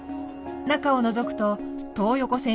中をのぞくと東横線